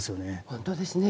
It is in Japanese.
本当ですね。